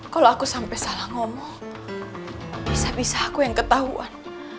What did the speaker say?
kalau aku sampai salah ngomong pisah pisah aku yang ketahuan